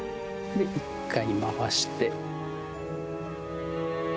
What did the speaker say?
一回まわして。